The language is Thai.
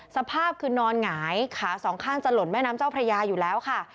สภาพคือนอนหงายขาสองข้างจะหล่นแม่น้ำเจ้าพระยาอยู่แล้วค่ะ